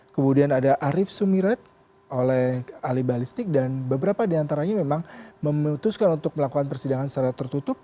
kemudian ada arief sumirat oleh ahli balistik dan beberapa diantaranya memang memutuskan untuk melakukan persidangan secara tertutup